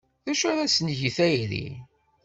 D acu ara s-neg i tayri?